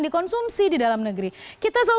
dikonsumsi di dalam negeri kita selalu